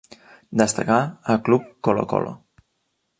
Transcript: Destacà al club Colo-Colo.